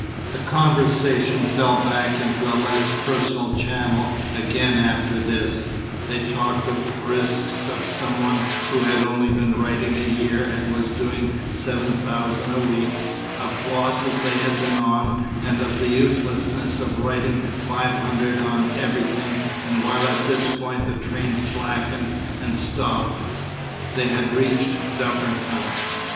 The conversation fell back into a less personal channel again after this; they talked of "risks," of some one who had only been "writing" a year and was doing seven thousand a week, of losses they had been "on," and of the uselessness of "writing five hundred on everything," and while at this point the train slackened and stopped they had reached Dufferton.